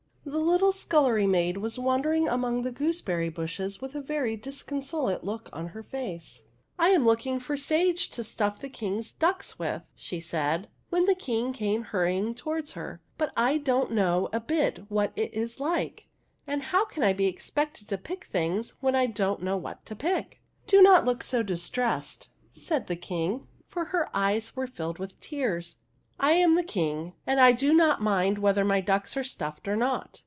The little scullery maid was wandering among the gooseberry bushes with a very disconsolate look on her face. '' I am look ing for sage to stuff the King's ducks with," she said, when the King came hurrying to wards her ;" but I don't know a bit what it is like, and how can I be expected to pick things when I don't know what to pick ?"" Do not look so distressed," said the King, for her eyes were full of tears. " I am the King, and I do not mind whether my ducks are stuffed or not."